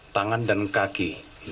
tangan dan kaki